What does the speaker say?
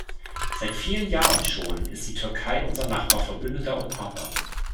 Seit vielen Jahren schon ist die Türkei unser Nachbar, Verbündeter und Partner.